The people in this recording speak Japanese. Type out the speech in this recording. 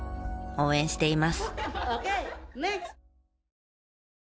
応援しています。